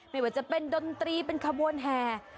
ไม่ว่าจะเป็นดนตรีเป็นขบวนแห่